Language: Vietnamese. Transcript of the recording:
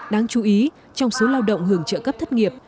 đáng chú ý trong số lao động hưởng trợ cấp thất nghiệp